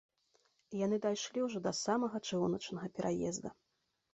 Яны дайшлі ўжо да самага чыгуначнага пераезда.